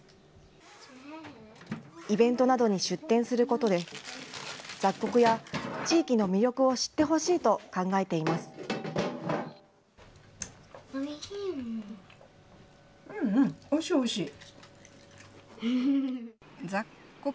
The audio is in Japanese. イベントなどに出店することで、雑穀や地域の魅力を知ってほしいおいしい、おいしい。